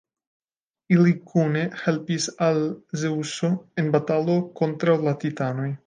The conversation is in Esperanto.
Ili kune helpis al Zeŭso en batalo kontraŭ la titanoj.